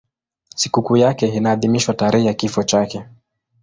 Sikukuu yake inaadhimishwa tarehe ya kifo chake.